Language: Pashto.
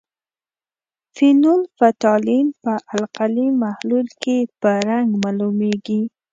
فینول فتالین په القلي محلول کې په رنګ معلومیږي.